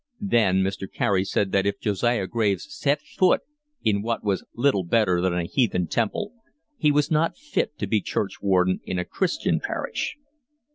Then Mr. Carey said that if Josiah Graves set foot in what was little better than a heathen temple he was not fit to be churchwarden in a Christian parish.